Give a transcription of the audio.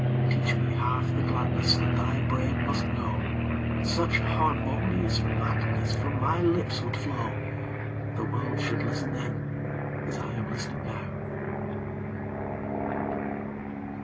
Teach me half the gladness That thy brain must know; Such harmonious madness From my lips would flow The world should listen then as I am listening now!